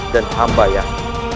dan hamba yang